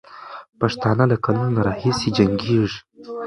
پښتانه له کلونو راهیسې جنګېږي.